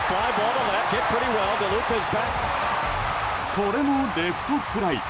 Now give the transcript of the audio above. これもレフトフライ。